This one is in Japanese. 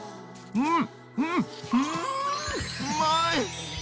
うん！